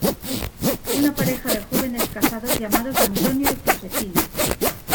Una pareja de jóvenes casados llamados Antonio y Josefina.